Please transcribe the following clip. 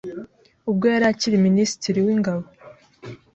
ubwo yari akiri Minisitiri w’Ingabo,